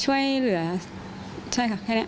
ช่วยเหลือใช่ค่ะแค่นี้